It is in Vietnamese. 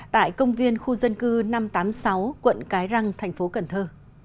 tại công viên khu dân cư năm trăm tám mươi sáu quận cái răng thành phố cần thơ